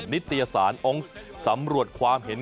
นิตยสารองค์สำรวจความเห็น